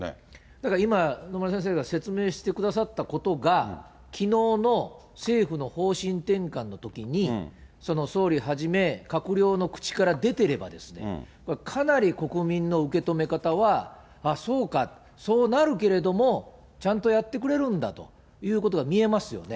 だから今、野村先生が説明してくださったことが、きのうの政府の方針転換のときに、総理はじめ、閣僚の口から出てれば、かなり国民の受け止め方は、ああ、そうか、そうなるけれども、ちゃんとやってくれるんだということが見えますよね。